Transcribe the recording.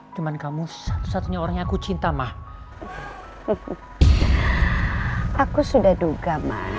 cuman kamu satu satunya orang yang aku cinta mah aku sudah duga mah